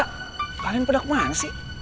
kalian pedak mana sih